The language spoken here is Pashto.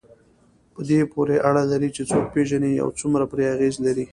په دې پورې اړه لري چې څوک پېژنئ او څومره پرې اغېز لرئ.